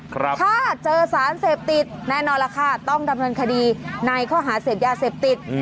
ถ้าเจอสารเสพติดแน่นอนล่ะค่ะต้องดำเนินคดีในข้อหาเสพยาเสพติด